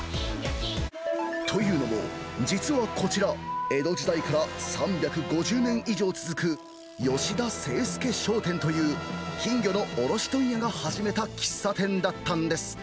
というのも、実はこちら、江戸時代から３５０年以上続く、吉田せいすけ商店という、金魚の卸問屋が始めた喫茶店だったんです。